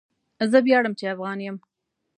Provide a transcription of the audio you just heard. زه وياړم چي افغان يم.